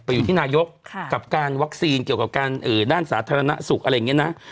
อยู่ที่นายกกับการวัคซีนเกี่ยวกับการด้านสาธารณสุขอะไรอย่างนี้นะ